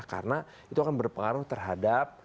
karena itu akan berpengaruh terhadap